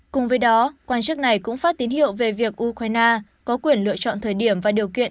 cùng với đó quan chức này cũng phát tín hiệu về việc ukraine có quyền lựa chọn thời điểm và điều kiện